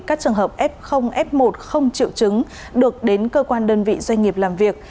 các trường hợp f f một không triệu chứng được đến cơ quan đơn vị doanh nghiệp làm việc